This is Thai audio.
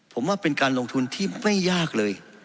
ผมว่าเป็นการลงทุนที่ไม่ยากเลย